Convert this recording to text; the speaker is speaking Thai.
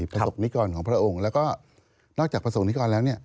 ประสบนิกรของพระองค์แล้วก็นอกจากประสงค์นิกรแล้ว